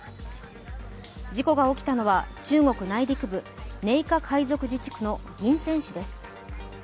事故が起きたのは中国内陸部寧夏回族自治区の銀川市です。